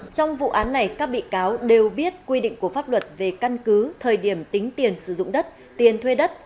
trong vụ án này các bị cáo đều biết quy định của pháp luật về căn cứ thời điểm tính tiền sử dụng đất tiền thuê đất